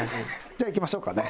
じゃあいきましょうかね。